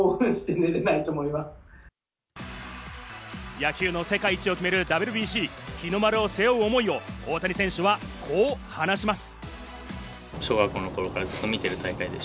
野球の世界一を決めるＷＢＣ、日の丸を背負う思いを大谷選手はこう話します。